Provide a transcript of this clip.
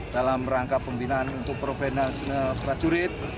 dalam rangka pembinaan untuk providen nasional prajurit